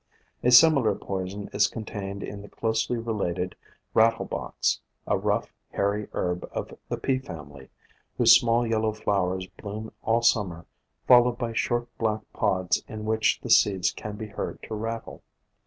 A similar poison is contained in the closely related Rattlebox, a rough, hairy herb of the Pea Family, whose small yellow flowers bloom all Summer, followed by short, black pods in which the seeds can be heard to rattle.